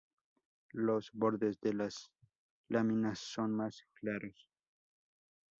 Los bordes de las láminas son más claros.